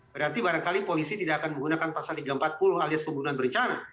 berarti barangkali polisi tidak akan menggunakan pasal tiga ratus empat puluh alias pembunuhan berencana